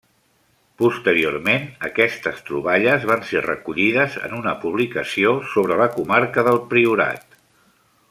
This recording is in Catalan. Posteriorment, aquestes troballes van ser recollides en una publicació sobre la comarca del Priorat.